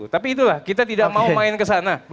tapi itulah kita tidak mau main kesana